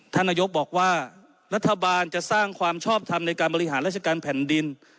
ท่านนายกบอกว่ารัฐบาลจะสร้างความชอบทำในการบริหารราชการแผ่นดิน